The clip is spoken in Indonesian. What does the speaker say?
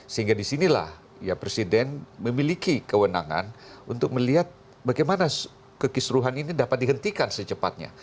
sehingga disinilah ya presiden memiliki kewenangan untuk melihat bagaimana kekisruhan ini dapat dihentikan secepatnya